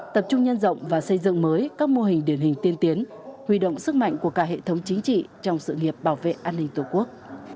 tập trung nhân rộng và xây dựng mới các mô hình điển hình tiên tiến huy động sức mạnh của cả hệ thống chính trị trong sự nghiệp bảo vệ an ninh tổ quốc